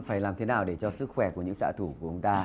phải làm thế nào để cho sức khỏe của những xã thủ của chúng ta